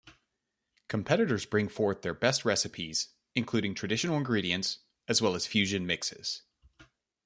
Competitors bring forth their best recipes including traditional ingredients as well as fusion mixes.